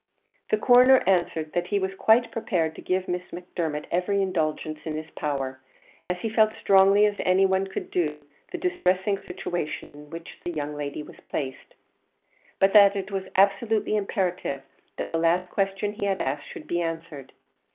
The Coroner answered that he was quite prepared to give Miss Macdermot every indulgence in his power, as he felt as strongly as any one could do the distressing situation in which the young lady was placed, but that it was absolutely imperative that the last question he had asked should be answered.